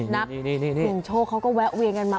นักเสี่ยงโชคเขาก็แวะเวียนกันมา